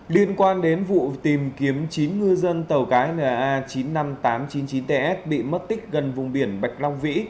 liên quan đến vụ tìm kiếm chín ngư dân tàu cá na chín mươi năm nghìn tám trăm chín mươi chín ts bị mất tích gần vùng biển bạch long vĩ